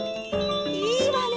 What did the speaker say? いいわね！